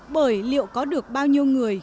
bởi liệu có được bao nhiêu người